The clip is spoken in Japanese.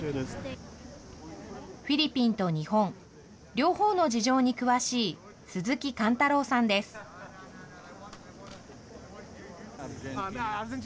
フィリピンと日本、両方の事情に詳しい鈴木貫太郎さんです。